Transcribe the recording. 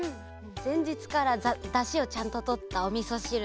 ぜんじつからだしをちゃんととったおみそしると。